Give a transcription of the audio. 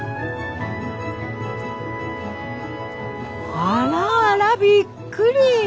あらあらびっくり！